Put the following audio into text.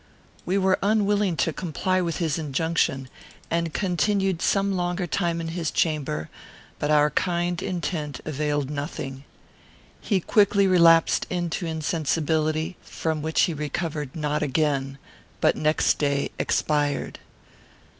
We were unwilling to comply with his injunction, and continued some longer time in his chamber; but our kind intent availed nothing. He quickly relapsed into insensibility, from which he recovered not again, but next day expired.